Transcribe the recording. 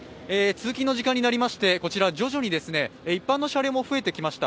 通勤の時間になりまして、徐々に一般の車両も増えてきました。